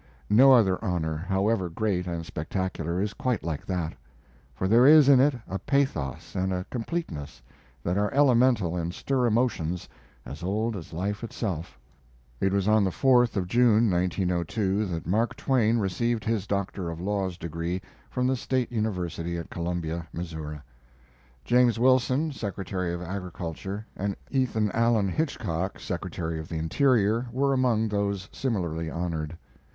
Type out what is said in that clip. No other honor, however great and spectacular, is quite like that, for there is in it a pathos and a completeness that are elemental and stir emotions as old as life itself. It was on the 4th of June, 1902, that Mark Twain received his doctor of laws degree from the State University at Columbia, Missouri. James Wilson, Secretary of Agriculture, and Ethan Allen Hitchcock, Secretary of the Interior, were among those similarly honored.